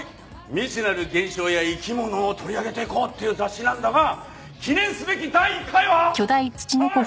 未知なる現象や生き物を取り上げていこうっていう雑誌なんだが記念すべき第１回ははい！